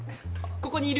ここにいる！